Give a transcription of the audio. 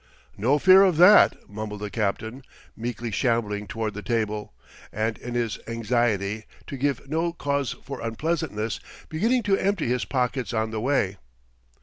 "No fear of that," mumbled the captain, meekly shambling toward the table, and, in his anxiety to give no cause for unpleasantness, beginning to empty his pockets on the way.